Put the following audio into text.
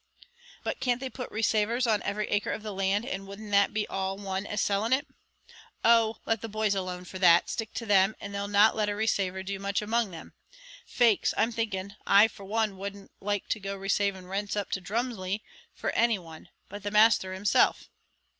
"But can't they put resavers on every acre of the land, and wouldn't that be all one as selling it?" "Oh! let the boys alone for that; stick to them, and they'll not let a resaver do much among them; faix, I'm thinking I for one wouldn't like to go resaving rents up to Drumleesh for any one but the Masther hisself.